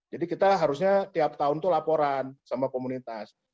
jadi kita harusnya tiap tahun itu laporan sama komunitas